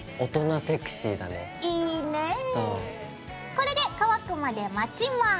これで乾くまで待ちます。